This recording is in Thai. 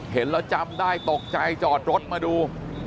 เห็นแล้วจำได้ตกใจจอดรถมาดู